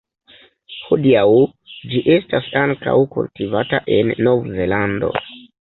Hodiaŭ ĝi estas ankaŭ kultivata en Nov-Zelando.